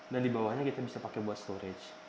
dan di bawahnya kita bisa pakai buat storage